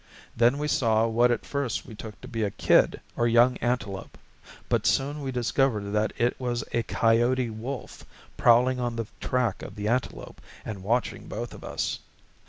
Then we saw what at first we took to be a kid, or young antelope; but soon we discovered that it was a coyote wolf, prowling on the track of the antelope, and watching both of us.